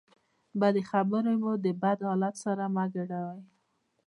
بدې خبرې مو د بد حالت سره مه ګډوئ.